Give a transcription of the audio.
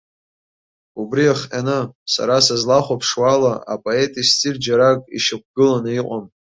Убри иахҟьаны, сара сызлахәаԥшуа ала, апоет истиль џьарак ишьақәгыланы иҟам.